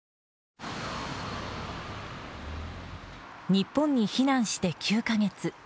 日本に避難して９か月。